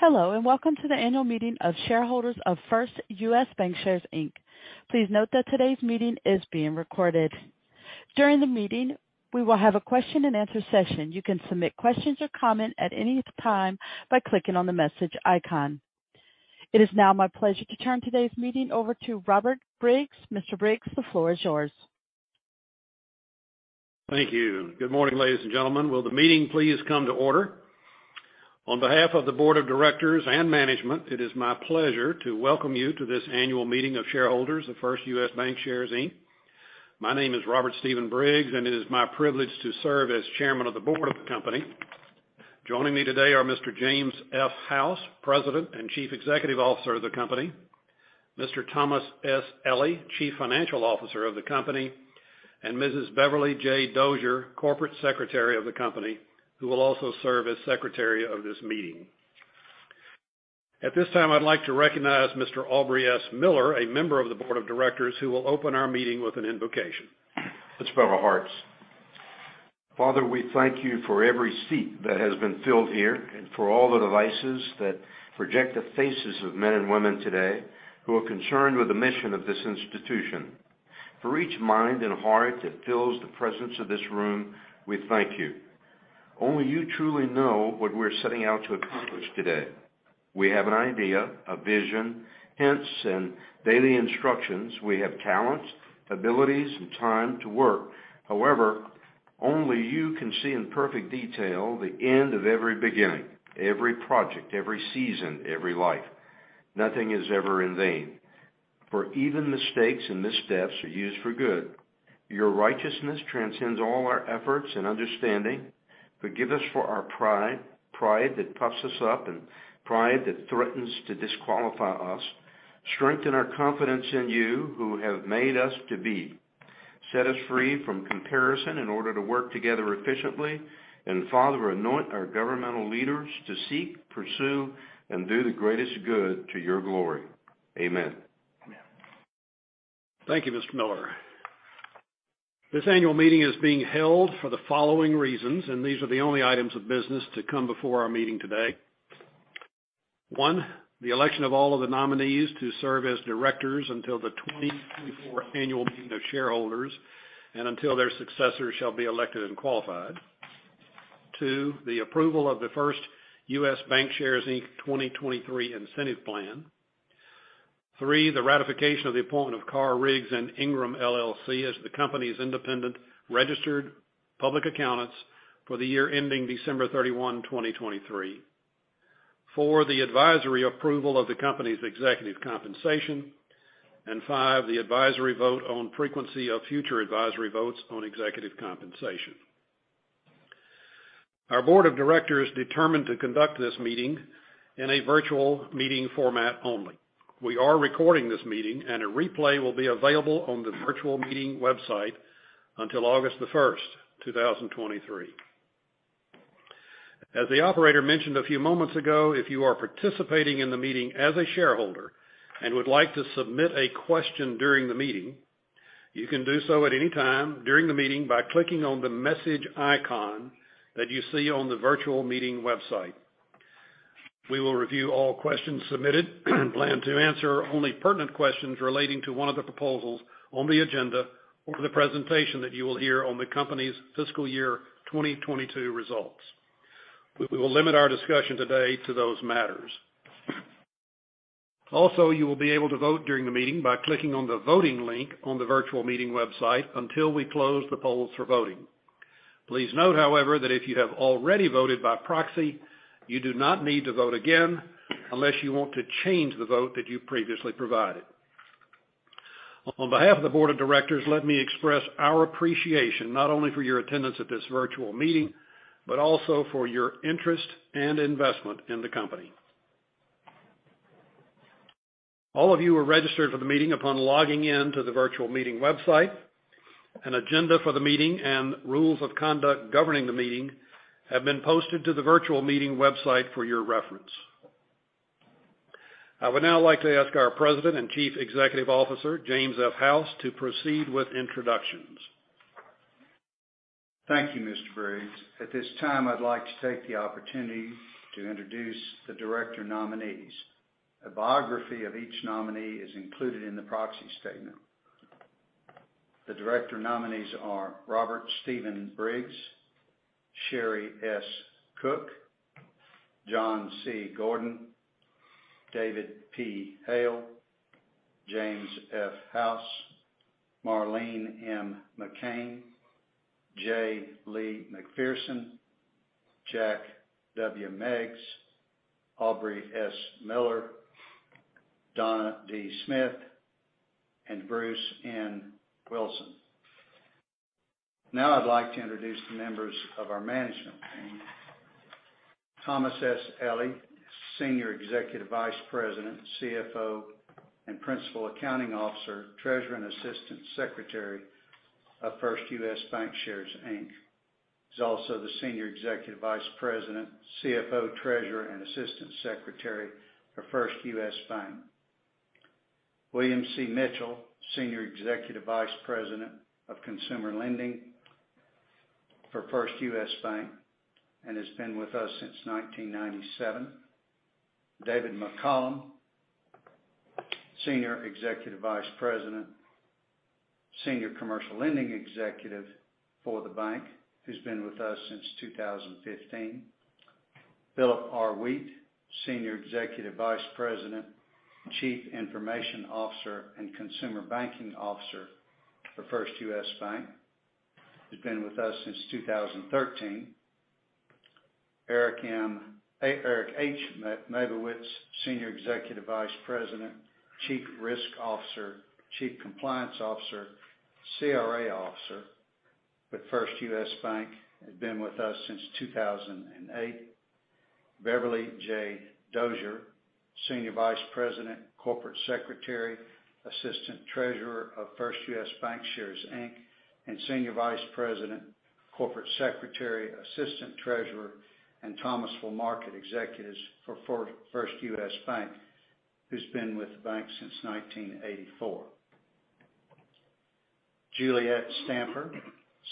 Hello, welcome to the annual meeting of shareholders of First US Bancshares, Inc. Please note that today's meeting is being recorded. During the meeting, we will have a question-and-answer session. You can submit questions or comment at any time by clicking on the message icon. It is now my pleasure to turn today's meeting over to Robert Briggs. Mr. Briggs, the floor is yours. Thank you. Good morning, ladies and gentlemen. Will the meeting please come to order? On behalf of the Board of Directors and management, it is my pleasure to welcome you to this annual meeting of shareholders of First US Bancshares, Inc. My name is Robert Stephen Briggs, and it is my privilege to serve as Chairman of the Board of the company. Joining me today are Mr. James F. House, President and Chief Executive Officer of the company, Mr. Thomas S. Elley, Chief Financial Officer of the company, and Mrs. Beverly J. Dozier, Corporate Secretary of the company, who will also serve as secretary of this meeting. At this time, I'd like to recognize Mr. Aubrey S. Miller, a member of the Board of Directors, who will open our meeting with an invocation. Let's bow our hearts. Father, we thank you for every seat that has been filled here and for all the devices that project the faces of men and women today who are concerned with the mission of this institution. For each mind and heart that fills the presence of this room, we thank you. Only you truly know what we're setting out to accomplish today. We have an idea, a vision, hints, and daily instructions. We have talents, abilities, and time to work. However, only you can see in perfect detail the end of every beginning, every project, every season, every life. Nothing is ever in vain, for even mistakes and missteps are used for good. Your righteousness transcends all our efforts and understanding. Forgive us for our pride that puffs us up and pride that threatens to disqualify us. Strengthen our confidence in you who have made us to be. Set us free from comparison in order to work together efficiently. Father, anoint our governmental leaders to seek, pursue, and do the greatest good to your glory. Amen. Thank you, Mr. Miller. This annual meeting is being held for the following reasons, and these are the only items of business to come before our meeting today. One, the election of all of the nominees to serve as Directors until the 2024 annual meeting of shareholders and until their successors shall be elected and qualified. Two, the approval of the First US Bancshares, Inc. 2023 Incentive Plan. Three, the ratification of the appointment of Carr, Riggs & Ingram, LLC as the company's independent registered public accountants for the year-ending December 31, 2023. Four, the advisory approval of the company's executive compensation. Five, the advisory vote on frequency of future advisory votes on executive compensation. Our Board of Directors determined to conduct this meeting in a virtual meeting format only. We are recording this meeting and a replay will be available on the virtual meeting website until August 1st, 2023. As the operator mentioned a few moments ago, if you are participating in the meeting as a shareholder and would like to submit a question during the meeting, you can do so at any time during the meeting by clicking on the message icon that you see on the virtual meeting website. We will review all questions submitted and plan to answer only pertinent questions relating to one of the proposals on the agenda or the presentation that you will hear on the company's fiscal year 2022 results. We will limit our discussion today to those matters. Also, you will be able to vote during the meeting by clicking on the voting link on the virtual meeting website until we close the polls for voting. Please note, however, that if you have already voted by proxy, you do not need to vote again unless you want to change the vote that you previously provided. On behalf of the Board of Directors, let me express our appreciation not only for your attendance at this virtual meeting, but also for your interest and investment in the company. All of you are registered for the meeting upon logging in to the virtual meeting website. An agenda for the meeting and rules of conduct governing the meeting have been posted to the virtual meeting website for your reference. I would now like to ask our President and Chief Executive Officer, James F. House, to proceed with introductions. Thank you, Mr. Briggs. At this time, I'd like to take the opportunity to introduce the Director nominees. A biography of each nominee is included in the proxy statement. The Director nominees are Robert Stephen Briggs, Sheri S. Cook, John C. Gordon, David P. Hale, James F. House, Marlene M. McCain, J. Lee McPhearson, Jack W. Meigs, Aubrey S. Miller, Donna D. Smith, and Bruce N. Wilson. Now I'd like to introduce the members of our management team. Thomas S. Elley, Senior Executive Vice President, CFO, and Principal Accounting Officer, Treasurer and Assistant Secretary of First US Bancshares, Inc. He's also the Senior Executive Vice President, CFO, Treasurer, and Assistant Secretary for First US Bank. William C. Mitchell, Senior Executive Vice President of Consumer Lending for First US Bank and has been with us since 1997. David McCollum, Senior Executive Vice President, Senior Commercial Lending Executive for the bank, who's been with us since 2015. Phillip R. Wheat, Senior Executive Vice President, Chief Information Officer, and Consumer Banking Officer for First US Bank. He's been with us since 2013. Eric H. Mabowitz, Senior Executive Vice President, Chief Risk Officer, Chief Compliance Officer, CRA Officer with First US Bank, has been with us since 2008. Beverly J. Dozier, Senior Vice President, Corporate Secretary, Assistant Treasurer of First US Bancshares, Inc., and Senior Vice President, Corporate Secretary, Assistant Treasurer, and Thomasville Market Executives for First US Bank, who's been with the bank since 1984. Juliette Stamper,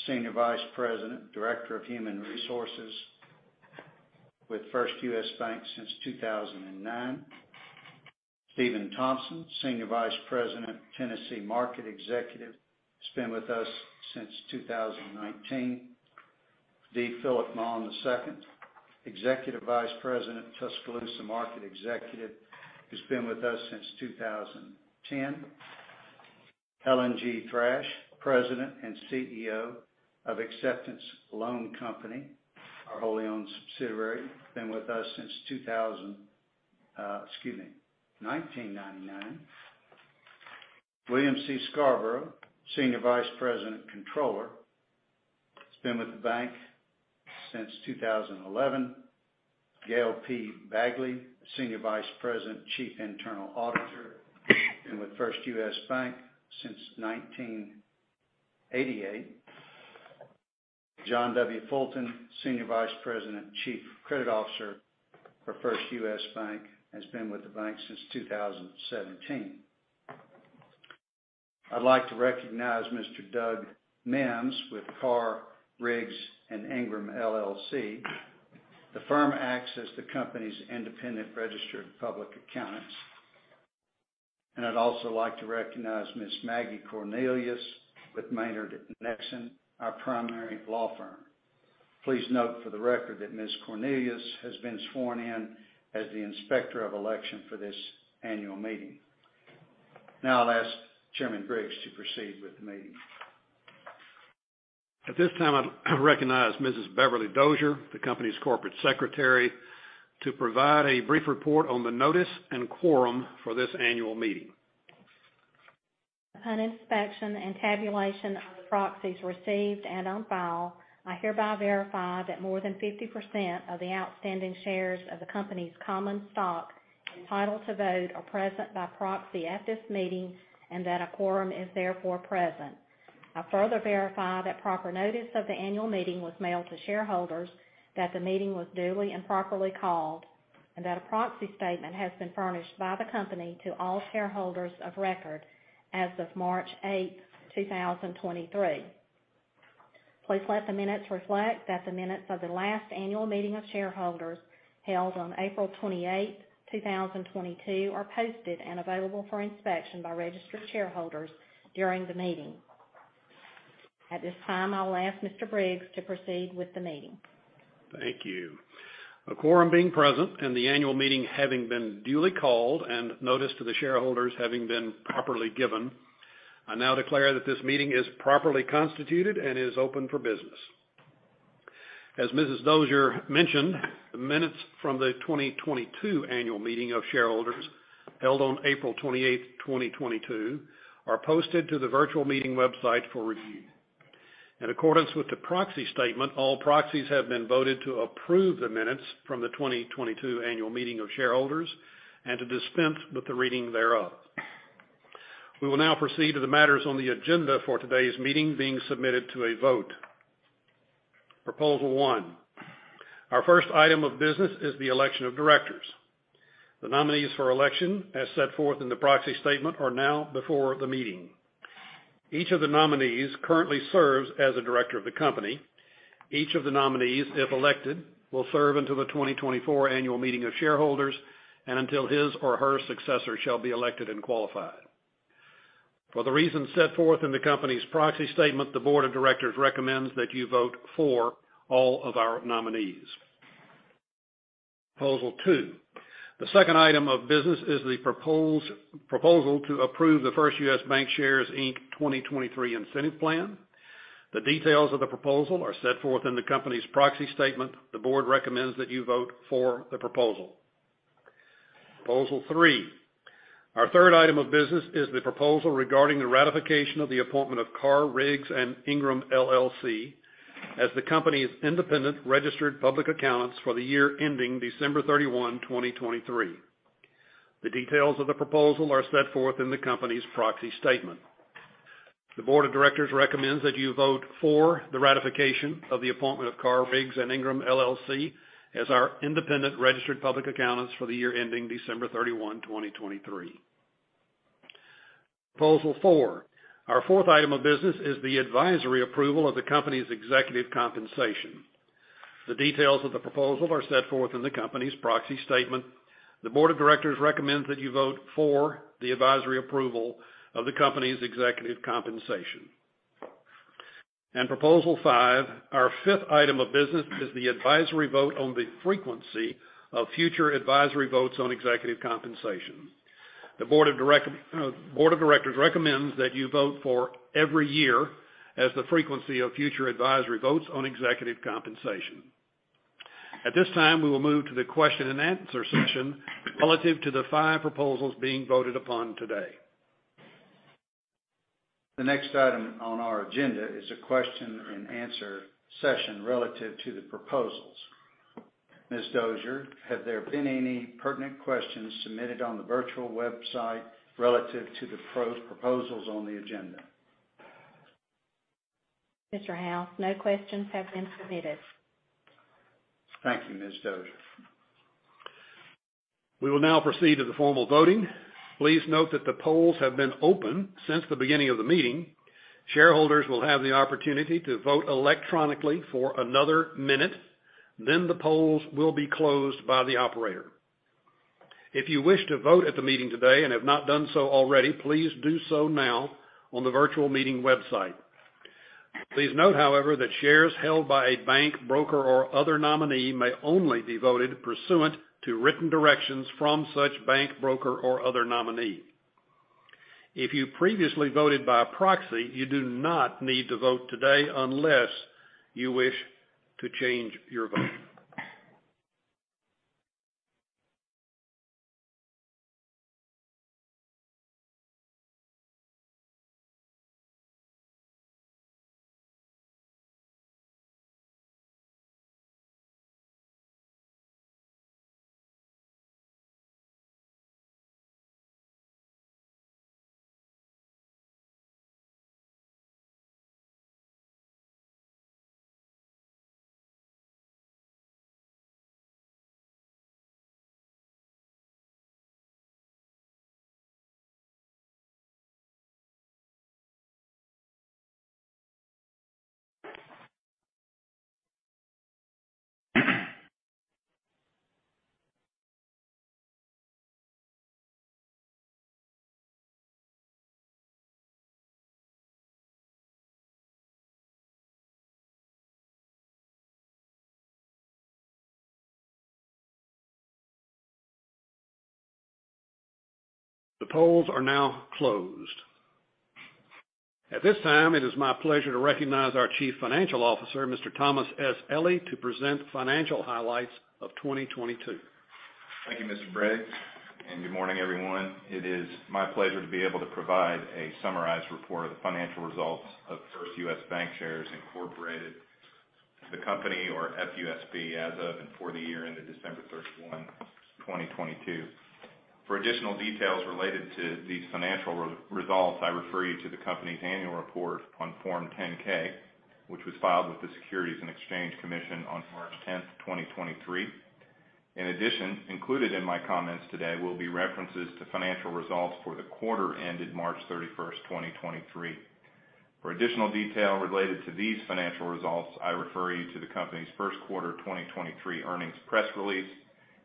Senior Vice President, Director of Human Resources with First US Bank since 2009. Steven Thompson, Senior Vice President, Tennessee Market Executive, has been with us since 2019. D. Philip Mawn II, Executive Vice President, Tuscaloosa Market Executive, who's been with us since 2010. Helen G. Thrash, President and CEO of Acceptance Loan Company, our wholly owned subsidiary, been with us since 1999. William C. Scarbrough, Senior Vice President, Controller, has been with the bank since 2011. Gail P. Bagley, Senior Vice President, Chief Internal Auditor, been with First US Bank since 1988. John W. Fulton, Senior Vice President, Chief Credit Officer for First US Bank, has been with the bank since 2017. I'd like to recognize Mr. Doug Mims with Carr, Riggs & Ingram, LLC. The firm acts as the company's independent registered public accountants. I'd also like to recognize Ms. Maggie Cornelius with Maynard Nexsen, our primary law firm. Please note for the record that Ms. Cornelius has been sworn in as the Inspector of Election for this annual meeting. I'll ask Chairman Briggs to proceed with the meeting. At this time, I recognize Mrs. Beverly Dozier, the company's Corporate Secretary, to provide a brief report on the notice and quorum for this annual meeting. Upon inspection and tabulation of the proxies received and on file, I hereby verify that more than 50% of the outstanding shares of the company's common stock entitled to vote are present by proxy at this meeting and that a quorum is therefore present. I further verify that proper notice of the annual meeting was mailed to shareholders, that the meeting was duly and properly called, and that a proxy statement has been furnished by the company to all shareholders of record as of March 8th, 2023. Please let the minutes reflect that the minutes of the last annual meeting of shareholders held on April 28th, 2022, are posted and available for inspection by registered shareholders during the meeting. At this time, I will ask Mr. Briggs to proceed with the meeting. Thank you. A quorum being present and the annual meeting having been duly called and notice to the shareholders having been properly given, I now declare that this meeting is properly constituted and is open for business. As Mrs. Dozier mentioned, the minutes from the 2022 annual meeting of shareholders held on April 28th, 2022 are posted to the virtual meeting website for review. In accordance with the proxy statement, all proxies have been voted to approve the minutes from the 2022 annual meeting of shareholders and to dispense with the reading thereof. We will now proceed to the matters on the agenda for today's meeting being submitted to a vote. Proposal one. Our first item of business is the election of Directors. The nominees for election, as set forth in the proxy statement, are now before the meeting. Each of the nominees currently serves as a Director of the company. Each of the nominees, if elected, will serve until the 2024 annual meeting of shareholders and until his or her successor shall be elected and qualified. For the reasons set forth in the company's proxy statement, the Board of Directors recommends that you vote for all of our nominees. Proposal two. The second item of business is the proposal to approve the First US Bancshares, Inc. 2023 Incentive Plan. The details of the proposal are set forth in the company's proxy statement. The Board recommends that you vote for the proposal. Proposal three. Our third item of business is the proposal regarding the ratification of the appointment of Carr, Riggs & Ingram, LLC as the company's independent registered public accountants for the year ending December 31, 2023. The details of the proposal are set forth in the company's proxy statement. The Board of Directors recommends that you vote for the ratification of the appointment of Carr, Riggs, and Ingram LLC as our independent registered public accountants for the year-ending December 31, 2023. Proposal four. Our fourth item of business is the advisory approval of the company's executive compensation. The details of the proposal are set forth in the company's proxy statement. The Board of Directors recommends that you vote for the advisory approval of the company's executive compensation. Proposal five, our fifth item of business is the advisory vote on the frequency of future advisory votes on executive compensation. The Board of Directors recommends that you vote for every year as the frequency of future advisory votes on executive compensation. At this time, we will move to the question-and-answer session relative to the five proposals being voted upon today. The next item on our agenda is a question-and-answer session relative to the proposals on the agenda. Ms. Dozier, have there been any pertinent questions submitted on the virtual website relative to the proposals on the agenda? Mr. House, no questions have been submitted. Thank you, Ms. Dozier. We will now proceed to the formal voting. Please note that the polls have been open since the beginning of the meeting. Shareholders will have the opportunity to vote electronically for another minute, then the polls will be closed by the operator. If you wish to vote at the meeting today and have not done so already, please do so now on the virtual meeting website. Please note, however, that shares held by a bank, broker, or other nominee may only be voted pursuant to written directions from such bank, broker, or other nominee. If you previously voted by proxy, you do not need to vote today unless you wish to change your vote. The polls are now closed. At this time, it is my pleasure to recognize our Chief Financial Officer, Mr. Thomas S. Elley, to present financial highlights of 2022. Thank you, Mr. Briggs. Good morning, everyone. It is my pleasure to be able to provide a summarized report of the financial results of First US Bancshares, Inc., the company or FUSB, as of and for the year ended December 31, 2022. For additional details related to these financial results, I refer you to the company's annual report on Form 10-K, which was filed with the Securities and Exchange Commission on March 10th, 2023. In addition, included in my comments today will be references to financial results for the quarter ended March 31st 2023. For additional detail related to these financial results, I refer you to the company's first quarter 2023 earnings press release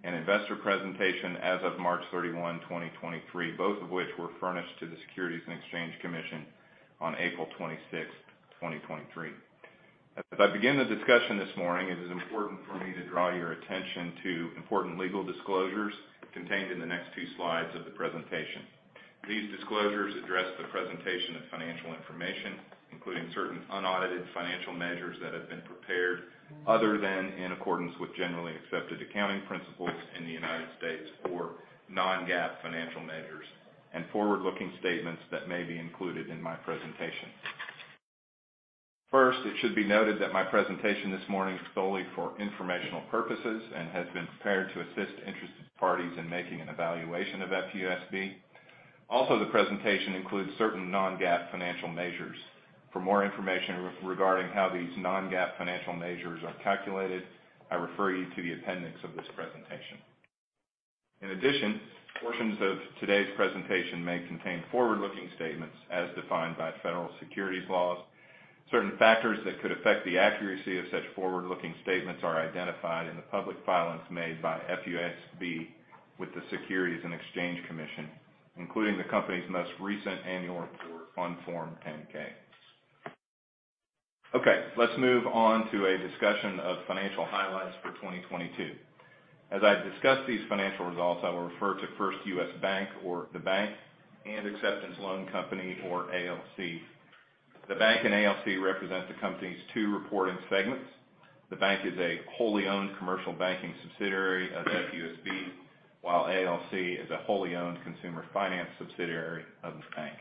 and investor presentation as of March 31, 2023, both of which were furnished to the Securities and Exchange Commission on April 26th, 2023. As I begin the discussion this morning, it is important for me to draw your attention to important legal disclosures contained in the next two slides of the presentation. These disclosures address the presentation of financial information, including certain unaudited financial measures that have been prepared other than in accordance with generally accepted accounting principles in the U.S. or non-GAAP financial measures and forward-looking statements that may be included in my presentation. First, it should be noted that my presentation this morning is solely for informational purposes and has been prepared to assist interested parties in making an evaluation of FUSB. Also, the presentation includes certain non-GAAP financial measures. For more information regarding how these non-GAAP financial measures are calculated, I refer you to the appendix of this presentation. In addition, portions of today's presentation may contain forward-looking statements as defined by federal securities laws. Certain factors that could affect the accuracy of such forward-looking statements are identified in the public filings made by FUSB with the Securities and Exchange Commission, including the company's most recent annual report on Form 10-K. Okay. Let's move on to a discussion of financial highlights for 2022. As I discuss these financial results, I will refer to First US Bank or the bank and Acceptance Loan Company or ALC. The bank and ALC represent the company's two reporting segments. The bank is a wholly owned commercial banking subsidiary of FUSB, while ALC is a wholly owned consumer finance subsidiary of the bank.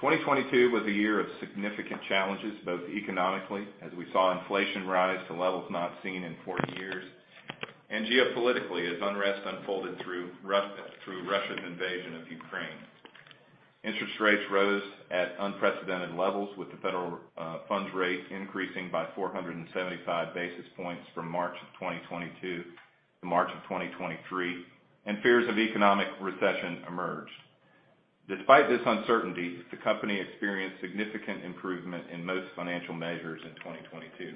2022 was a year of significant challenges, both economically, as we saw inflation rise to levels not seen in 40 years, and geopolitically, as unrest unfolded through Russia's invasion of Ukraine. Interest rates rose at unprecedented levels with the federal funds rate increasing by 475 basis points from March of 2022, March of 2023 and fears of economic recession emerged. Despite this uncertainty, the company experienced significant improvement in most financial measures in 2022.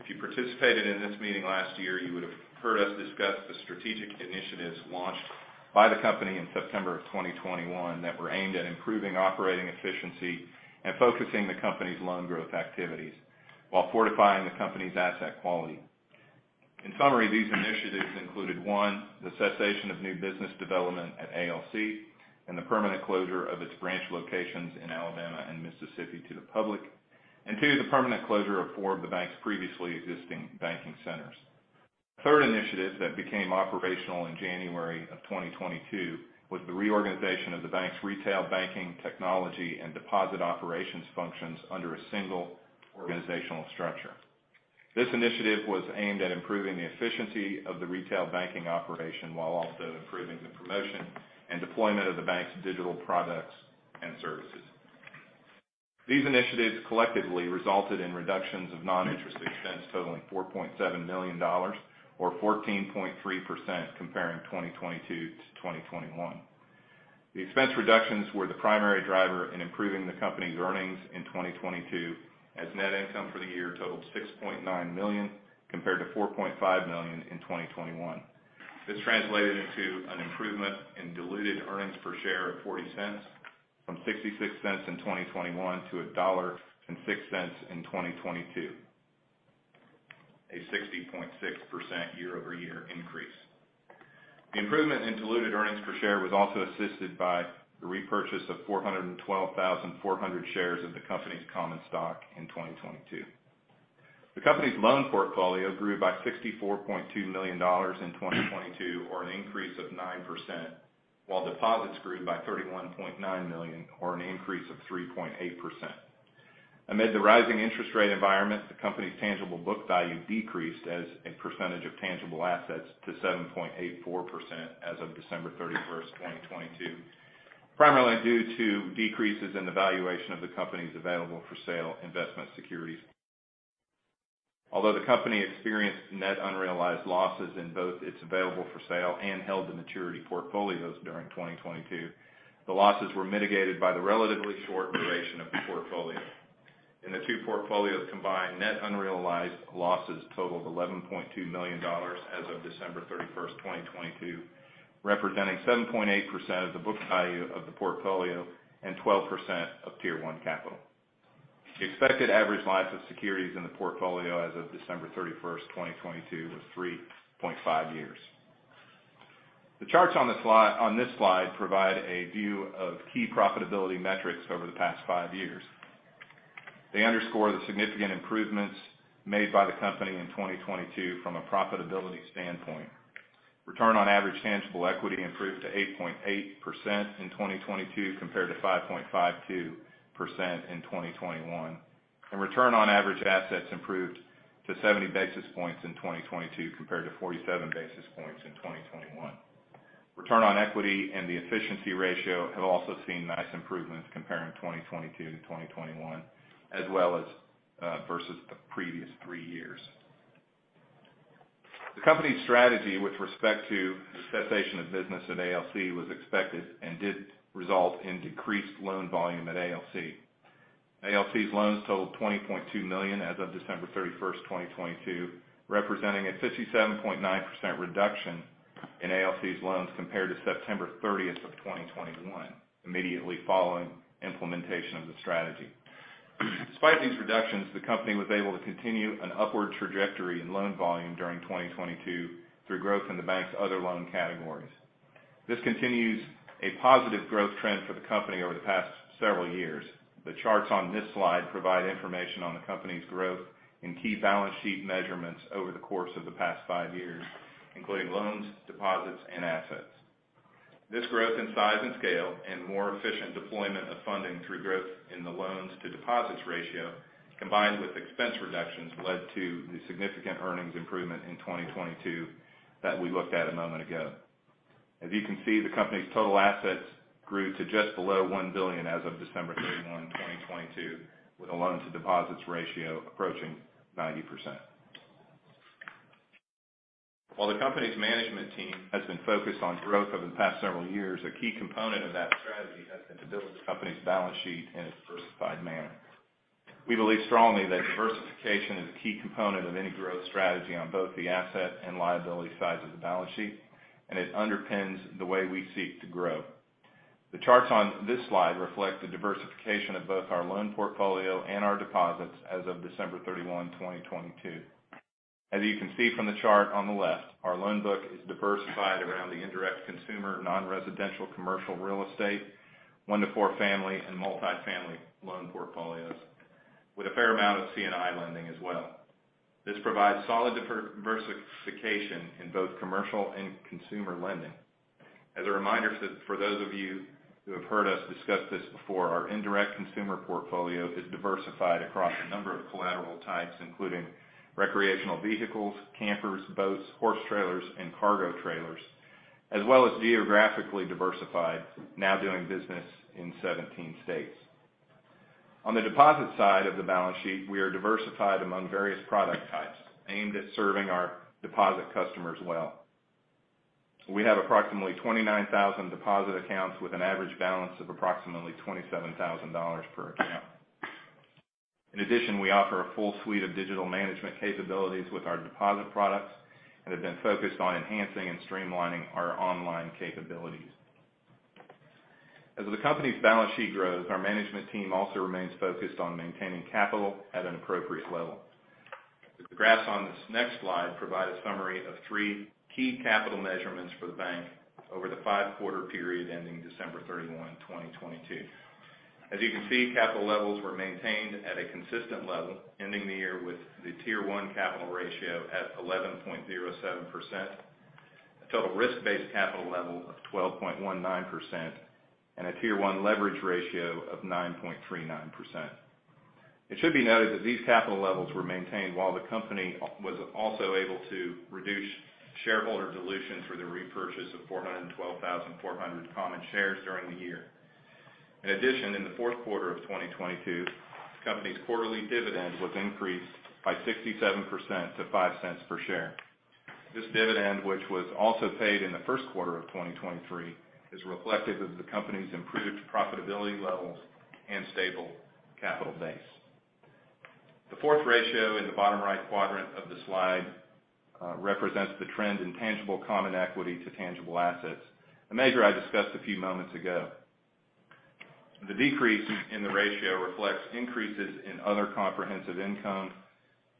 If you participated in this meeting last year, you would have heard us discuss the strategic initiatives launched by the company in September of 2021 that were aimed at improving operating efficiency and focusing the company's loan growth activities while fortifying the company's asset quality. In summary, these initiatives included, one, the cessation of new business development at ALC and the permanent closure of its branch locations in Alabama and Mississippi to the public, and two, the permanent closure of four of the bank's previously existing banking centers. The third initiative that became operational in January of 2022 was the reorganization of the Bank's retail banking technology and deposit operations functions under a single organizational structure. This initiative was aimed at improving the efficiency of the retail banking operation while also improving the promotion and deployment of the Bank's digital products and services. These initiatives collectively resulted in reductions of non-interest expense totaling $4.7 million or 14.3% comparing 2022 to 2021. The expense reductions were the primary driver in improving the Company's earnings in 2022, as net income for the year totaled $6.9 million, compared to $4.5 million in 2021. This translated into an improvement in diluted earnings per share of $0.40 from $0.66 in 2021 to $1.06 in 2022, a 60.6% year-over-year increase. The improvement in diluted earnings per share was also assisted by the repurchase of 412,400 shares of the company's common stock in 2022. The company's loan portfolio grew by $64.2 million in 2022, or an increase of 9%, while deposits grew by $31.9 million, or an increase of 3.8%. Amid the rising interest rate environment, the company's tangible book value decreased as a percentage of tangible assets to 7.84% as of December 31st 2022, primarily due to decreases in the valuation of the company's available-for-sale investment securities. Although the company experienced net unrealized losses in both its available-for-sale and held-to-maturity portfolios during 2022, the losses were mitigated by the relatively short duration of the portfolio. In the two portfolios combined, net unrealized losses totaled $11.2 million as of December 31st 2022, representing 7.8% of the book value of the portfolio and 12% of Tier 1 capital. The expected average lives of securities in the portfolio as of December 31st 2022 was 3.5 years. The charts on this slide provide a view of key profitability metrics over the past five years. They underscore the significant improvements made by the company in 2022 from a profitability standpoint. Return on average tangible equity improved to 8.8% in 2022 compared to 5.52% in 2021. Return on average assets improved to 70 basis points in 2022 compared to 47 basis points in 2021. Return on equity and the efficiency ratio have also seen nice improvements comparing 2022 to 2021, as well as versus the previous three years. The company's strategy with respect to the cessation of business at ALC was expected and did result in decreased loan volume at ALC. ALC's loans totaled $20.2 million as of December 31st 2022, representing a 57.9% reduction in ALC's loans compared to September 30th of 2021, immediately following implementation of the strategy. Despite these reductions, the company was able to continue an upward trajectory in loan volume during 2022 through growth in the bank's other loan categories. This continues a positive growth trend for the company over the past several years. The charts on this slide provide information on the company's growth in key balance sheet measurements over the course of the past five years, including loans, deposits, and assets. This growth in size and scale and more efficient deployment of funding through growth in the loans-to-deposits ratio, combined with expense reductions, led to the significant earnings improvement in 2022 that we looked at a moment ago. As you can see, the company's total assets grew to just below $1 billion as of December 31, 2022, with a loans-to-deposits ratio approaching 90%. While the company's management team has been focused on growth over the past several years, a key component of that strategy has been to build the company's balance sheet in a diversified manner. We believe strongly that diversification is a key component of any growth strategy on both the asset and liability sides of the balance sheet. It underpins the way we seek to grow. The charts on this slide reflect the diversification of both our loan portfolio and our deposits as of December 31, 2022. As you can see from the chart on the left, our loan book is diversified around the indirect consumer, non-residential, commercial real estate, one-to-four family, and multifamily loan portfolios, with a fair amount of C&I lending as well. This provides solid diversification in both commercial and consumer lending. As a reminder for those of you who have heard us discuss this before, our indirect consumer portfolio is diversified across a number of collateral types, including recreational vehicles, campers, boats, horse trailers, and cargo trailers, as well as geographically diversified, now doing business in 17 states. On the deposit side of the balance sheet, we are diversified among various product types aimed at serving our deposit customers well. We have approximately 29,000 deposit accounts with an average balance of approximately $27,000 per account. In addition, we offer a full suite of digital management capabilities with our deposit products and have been focused on enhancing and streamlining our online capabilities. As the company's balance sheet grows, our management team also remains focused on maintaining capital at an appropriate level. The graphs on this next slide provide a summary of three key capital measurements for the bank over the five-quarter period ending December 31, 2022. As you can see, capital levels were maintained at a consistent level, ending the year with the Tier 1 capital ratio at 11.07%, a total risk-based capital level of 12.19%, and a Tier 1 leverage ratio of 9.39%. It should be noted that these capital levels were maintained while the company was also able to reduce shareholder dilution through the repurchase of 412,400 common shares during the year. In addition, in the fourth quarter of 2022, the company's quarterly dividend was increased by 67% to $0.05 per share. This dividend, which was also paid in the first quarter of 2023, is reflective of the company's improved profitability levels and stable capital base. The fourth ratio in the bottom right quadrant of the slide represents the trend in tangible common equity to tangible assets, a measure I discussed a few moments ago. The decrease in the ratio reflects increases in other comprehensive income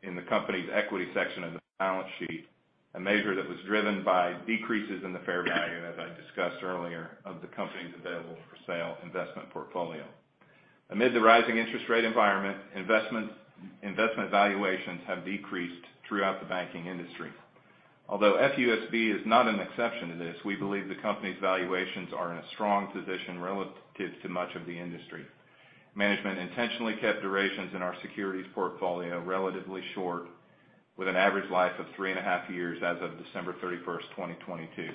in the company's equity section of the balance sheet, a measure that was driven by decreases in the fair value, as I discussed earlier, of the company's available-for-sale investment portfolio. Amid the rising interest rate environment, investment valuations have decreased throughout the banking industry. Although FUSB is not an exception to this, we believe the company's valuations are in a strong position relatives to much of the industry. Management intentionally kept durations in our securities portfolio relatively short, with an average life of 3.5 years as of December 31st, 2022.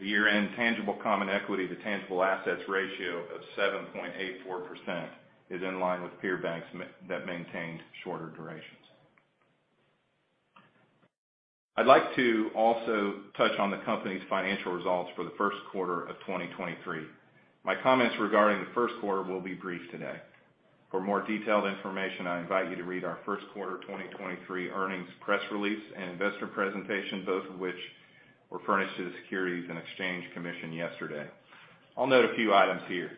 The year-end tangible common equity to tangible assets ratio of 7.84% is in line with peer banks that maintained shorter durations. I'd like to also touch on the company's financial results for the first quarter of 2023. My comments regarding the first quarter will be brief today. For more detailed information, I invite you to read our first quarter 2023 earnings press release and investor presentation, both of which were furnished to the Securities and Exchange Commission yesterday. I'll note a few items here.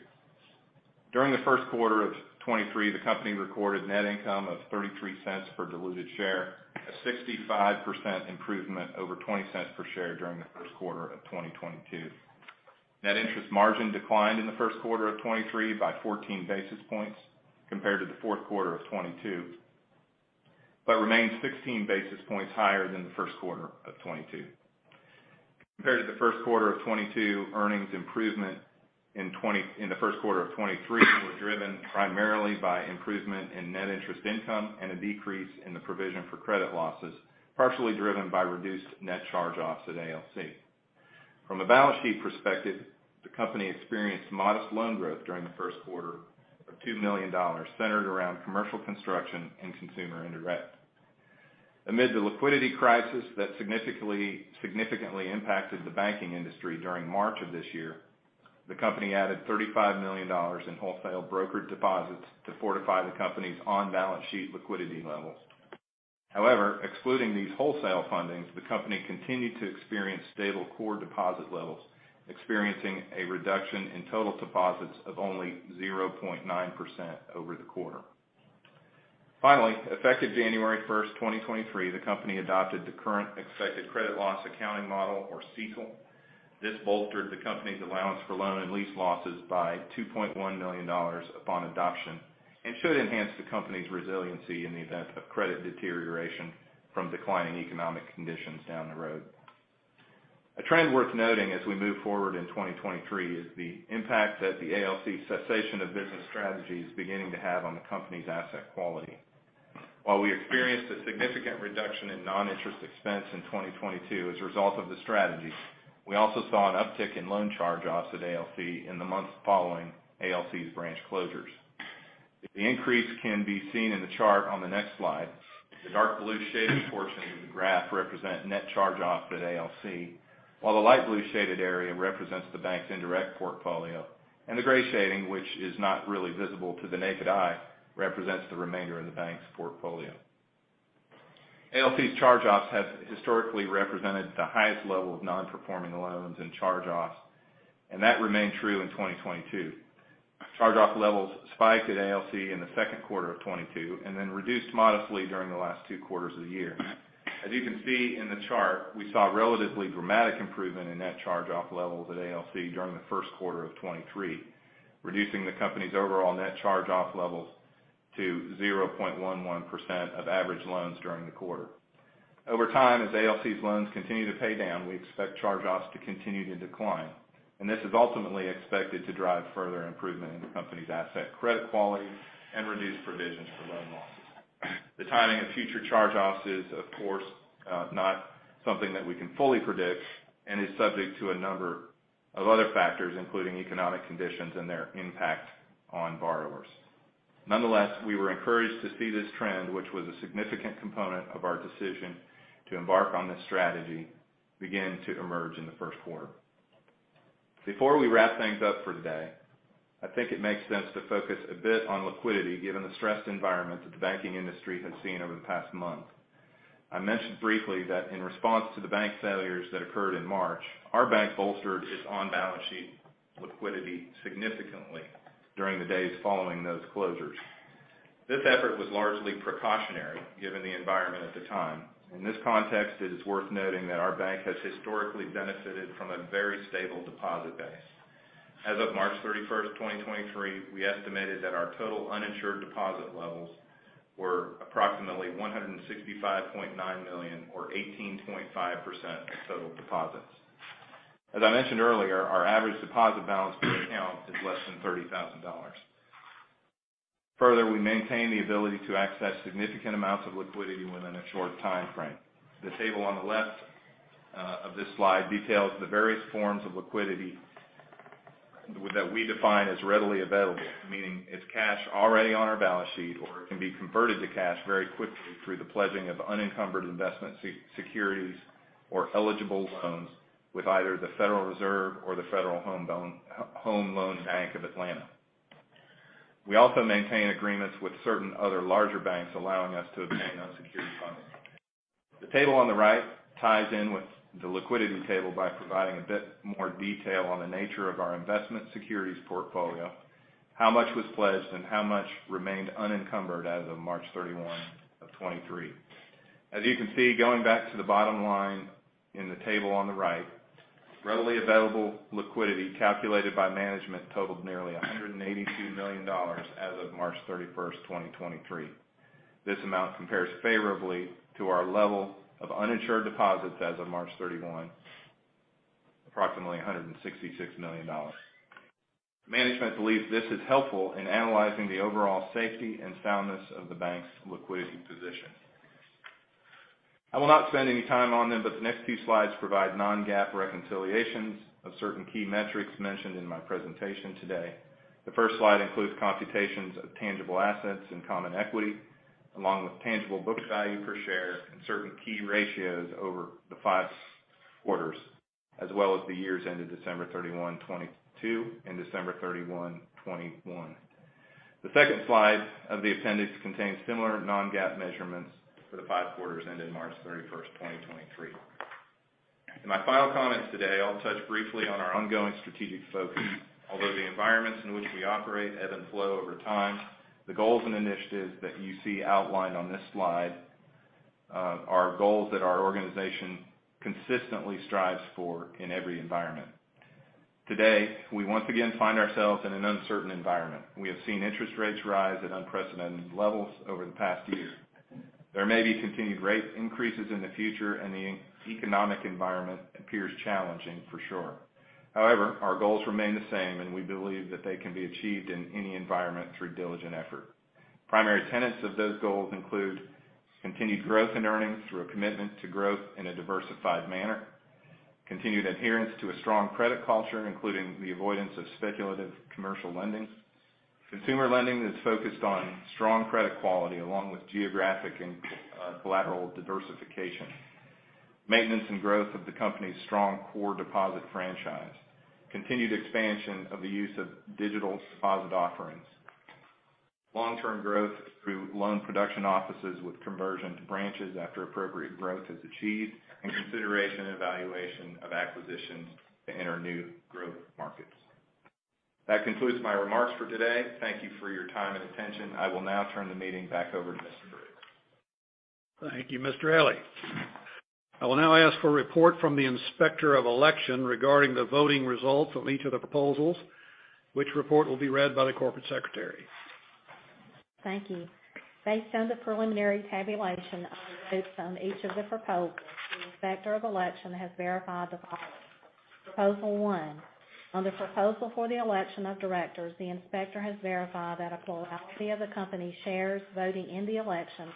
During the first quarter of 2023, the company recorded net income of $0.33 per diluted share, a 65% improvement over $0.20 per share during the first quarter of 2022. twnNet interest margin declined in the first quarter of 2023 by 14 basis points compared to the fourth quarter of 2022, but remains 16 basis points higher than the first quarter of 2022. Compared to the first quarter of 2022, earnings improvement in the first quarter of 2023 were driven primarily by improvement in net interest income and a decrease in the provision for credit losses, partially driven by reduced net charge-offs at ALC. From a balance sheet perspective, the company experienced modest loan growth during the first quarter of $2 million, centered around commercial construction and consumer indirect. Amid the liquidity crisis that significantly impacted the banking industry during March of this year, the company added $35 million in wholesale brokered deposits to fortify the company's on-balance sheet liquidity levels. Excluding these wholesale fundings, the company continued to experience stable core deposit levels, experiencing a reduction in total deposits of only 0.9% over the quarter. Effective January 1st 2023, the company adopted the Current Expected Credit Loss accounting model, or CECL. This bolstered the company's allowance for loan and lease losses by $2.1 million upon adoption and should enhance the company's resiliency in the event of credit deterioration from declining economic conditions down the road. A trend worth noting as we move forward in 2023 is the impact that the ALC cessation of business strategy is beginning to have on the company's asset quality. While we experienced a significant reduction in non-interest expense in 2022 as a result of the strategy, we also saw an uptick in loan charge-offs at ALC in the months following ALC's branch closures. The increase can be seen in the chart on the next slide. The dark blue shaded portion of the graph represent net charge-offs at ALC, while the light blue shaded area represents the bank's indirect portfolio, and the gray shading, which is not really visible to the naked eye, represents the remainder of the bank's portfolio. ALC's charge-offs have historically represented the highest level of non-performing loans and charge-offs, and that remained true in 2022. Charge-off levels spiked at ALC in the second quarter of 2022 and then reduced modestly during the last two quarters of the year. As you can see in the chart, we saw relatively dramatic improvement in net charge-off levels at ALC during the first quarter of 2023, reducing the company's overall net charge-off levels to 0.11% of average loans during the quarter. Over time, as ALC's loans continue to pay down, we expect charge-offs to continue to decline. This is ultimately expected to drive further improvement in the company's asset credit quality and reduce provisions for loan losses. The timing of future charge-offs is, of course, not something that we can fully predict and is subject to a number of other factors, including economic conditions and their impact on borrowers. Nonetheless, we were encouraged to see this trend, which was a significant component of our decision to embark on this strategy begin to emerge in the first quarter. Before we wrap things up for today, I think it makes sense to focus a bit on liquidity, given the stressed environment that the banking industry has seen over the past month. I mentioned briefly that in response to the bank failures that occurred in March, our bank bolstered its on-balance sheet liquidity significantly during the days following those closures. This effort was largely precautionary, given the environment at the time. In this context, it is worth noting that our bank has historically benefited from a very stable deposit base. As of March 31st 2023, we estimated that our total uninsured deposit levels were approximately $165.9 million or 18.5% of total deposits. As I mentioned earlier, our average deposit balance per account is less than $30,000. Further, we maintain the ability to access significant amounts of liquidity within a short time frame. The table on the left of this slide details the various forms of liquidity that we define as readily available, meaning it's cash already on our balance sheet, or it can be converted to cash very quickly through the pledging of unencumbered investment securities or eligible loans with either the Federal Reserve or the Federal Home Loan Bank of Atlanta. We also maintain agreements with certain other larger banks allowing us to obtain unsecured funding. The table on the right ties in with the liquidity table by providing a bit more detail on the nature of our investment securities portfolio, how much was pledged, and how much remained unencumbered as of March 31 of 2023. As you can see, going back to the bottom line in the table on the right, readily available liquidity calculated by management totaled nearly $182 million as of March 31st 2023. This amount compares favorably to our level of uninsured deposits as of March 31, approximately $166 million. Management believes this is helpful in analyzing the overall safety and soundness of the bank's liquidity position. I will not spend any time on them, but the next few slides provide non-GAAP reconciliations of certain key metrics mentioned in my presentation today. The first slide includes computations of tangible assets and common equity, along with tangible book value per share and certain key ratios over the five quarters, as well as the years ended December 31, 2022 and December 31, 2021. The second slide of the appendix contains similar non-GAAP measurements for the five quarters ending March 31st, 2023. In my final comments today, I'll touch briefly on our ongoing strategic focus. Although the environments in which we operate ebb and flow over time, the goals and initiatives that you see outlined on this slide are goals that our organization consistently strives for in every environment. Today, we once again find ourselves in an uncertain environment. We have seen interest rates rise at unprecedented levels over the past year. There may be continued rate increases in the future. The economic environment appears challenging for sure. However, our goals remain the same, and we believe that they can be achieved in any environment through diligent effort. Primary tenets of those goals include continued growth in earnings through a commitment to growth in a diversified manner. Continued adherence to a strong credit culture, including the avoidance of speculative commercial lending. Consumer lending is focused on strong credit quality along with geographic and collateral diversification. Maintenance and growth of the company's strong core deposit franchise. Continued expansion of the use of digital deposit offerings. Long-term growth through loan production offices with conversion to branches after appropriate growth is achieved and consideration and evaluation of acquisitions to enter new growth markets. That concludes my remarks for today. Thank you for your time and attention. I will now turn the meeting back over to Mr. Briggs. Thank you, Mr. Elley. I will now ask for a report from the Inspector of Election regarding the voting results on each of the proposals, which report will be read by the Corporate Secretary. Thank you. Based on the preliminary tabulation of the votes on each of the proposals, the Inspector of Election has verified the following. Proposal one, on the proposal for the election of Directors, the inspector has verified that a plurality of the company's shares voting in the election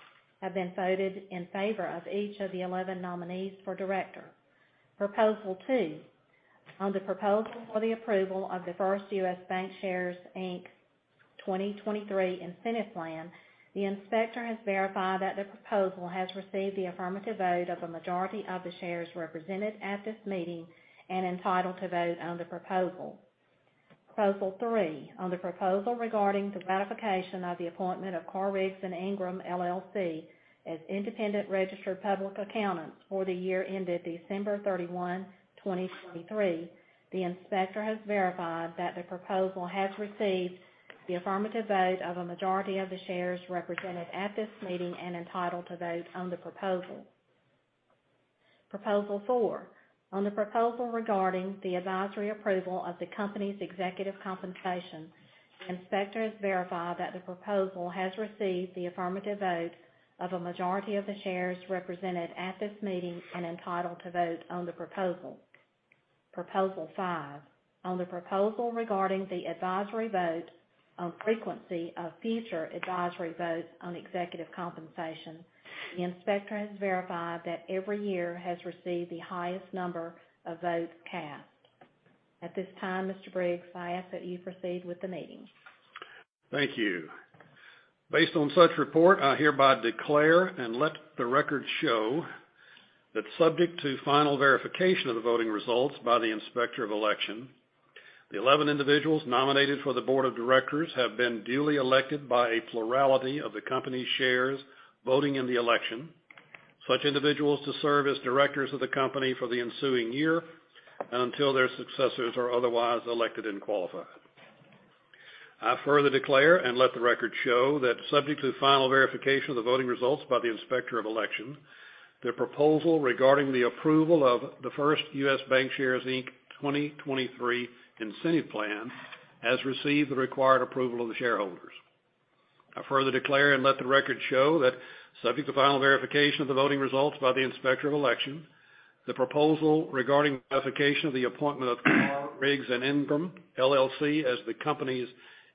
have been voted in favor of each of the 11 nominees for Director. Proposal two, on the proposal for the approval of the First US Bancshares, Inc. 2023 Incentive Plan, the inspector has verified that the proposal has received the affirmative vote of a majority of the shares represented at this meeting and entitled to vote on the proposal. Proposal three, on the proposal regarding the ratification of the appointment of Carr, Riggs & Ingram, LLC as independent registered public accountants for the year ended December 31, 2023, the inspector has verified that the proposal has received the affirmative vote of a majority of the shares represented at this meeting and entitled to vote on the proposal. Proposal four, on the proposal regarding the advisory approval of the company's executive compensation, the inspector has verified that the proposal has received the affirmative vote of a majority of the shares represented at this meeting and entitled to vote on the proposal. Proposal five, on the proposal regarding the advisory vote on frequency of future advisory votes on executive compensation. The inspector has verified that every year has received the highest number of votes cast. At this time, Mr. Briggs, I ask that you proceed with the meeting. Thank you. Based on such report, I hereby declare and let the record show that subject to final verification of the voting results by the Inspector of Election, the 11 individuals nominated for the Board of Directors have been duly elected by a plurality of the company's shares voting in the election, such individuals to serve as Directors of the company for the ensuing year until their successors are otherwise elected and qualified. I further declare and let the record show that subject to the final verification of the voting results by the Inspector of Election, the proposal regarding the approval of the First US Bancshares, Inc. 2023 Incentive Plan has received the required approval of the shareholders. I further declare and let the record show that subject to final verification of the voting results by the Inspector of Election, the proposal regarding ratification of the appointment of Carr, Riggs & Ingram, LLC as the company's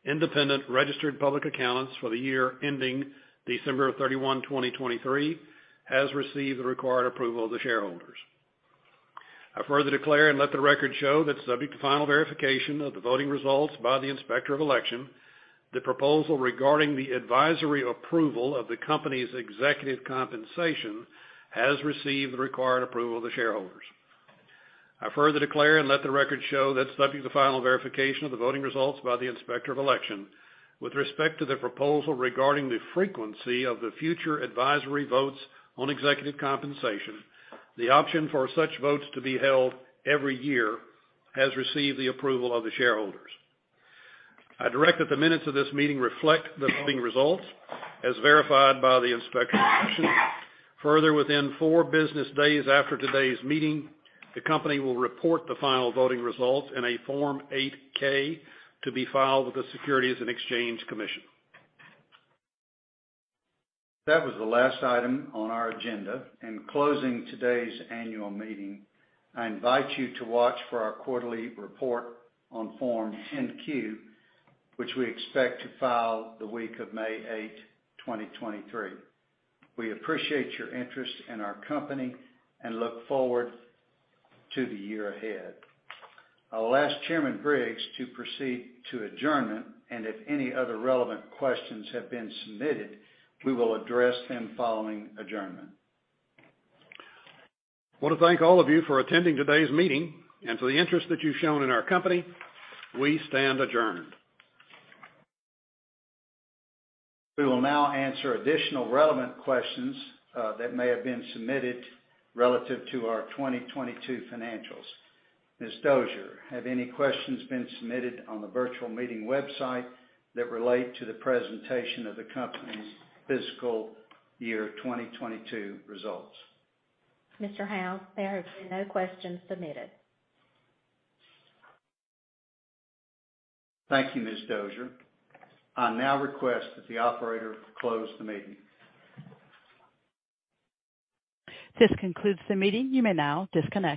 independent registered public accountants for the year-ending December 31, 2023, has received the required approval of the shareholders. I further declare and let the record show that subject to final verification of the voting results by the Inspector of Election, the proposal regarding the advisory approval of the company's executive compensation has received the required approval of the shareholders. I further declare and let the record show that subject to the final verification of the voting results by the Inspector of Election, with respect to the proposal regarding the frequency of the future advisory votes on executive compensation, the option for such votes to be held every year has received the approval of the shareholders. I direct that the minutes of this meeting reflect the voting results as verified by the Inspector of Election. Further, within four business days after today's meeting, the company will report the final voting results in a Form 8-K to be filed with the Securities and Exchange Commission. That was the last item on our agenda. In closing today's annual meeting, I invite you to watch for our quarterly report on Form 10-Q, which we expect to file the week of May 8, 2023. We appreciate your interest in our company and look forward to the year ahead. I'll ask Chairman Briggs to proceed to adjournment, and if any other relevant questions have been submitted, we will address them following adjournment. I wanna thank all of you for attending today's meeting and for the interest that you've shown in our company. We stand adjourned. We will now answer additional relevant questions, that may have been submitted relative to our 2022 financials. Ms. Dozier, have any questions been submitted on the virtual meeting website that relate to the presentation of the company's fiscal year 2022 results? Mr. House, there have been no questions submitted. Thank you, Ms. Dozier. I now request that the operator close the meeting. This concludes the meeting. You may now disconnect.